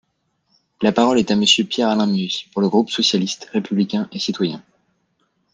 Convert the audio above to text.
La parole est à Monsieur Pierre-Alain Muet, pour le groupe socialiste, républicain et citoyen.